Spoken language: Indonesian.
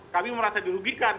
kami merasa dirugikan